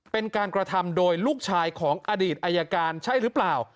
เป็นการกระทำโดยลูกชายของอดีตอายการใช่หรือเปล่า